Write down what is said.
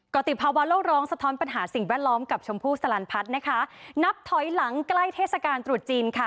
ก็ติดภาวะโลกร้องสะท้อนปัญหาสิ่งแวดล้อมกับชมพู่สลันพัฒน์นะคะนับถอยหลังใกล้เทศกาลตรุษจีนค่ะ